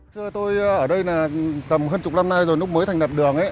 trưa tôi ở đây là tầm hơn chục năm nay rồi lúc mới thành đặt đường